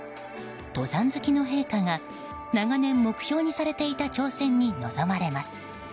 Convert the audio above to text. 登山好きの陛下が長年目標にされていた挑戦に臨まれます。